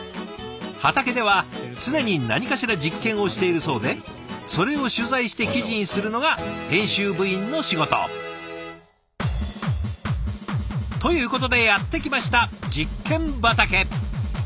畑では常に何かしら実験をしているそうでそれを取材して記事にするのが編集部員の仕事。ということでやって来ました実験畑。